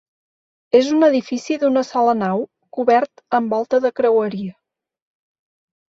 És un edifici d'una sola nau cobert amb volta de creueria.